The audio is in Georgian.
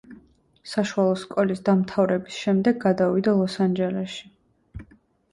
საშუალო სკოლის დამთავრების შემდეგ, გადავიდა ლოს-ანჯელესში.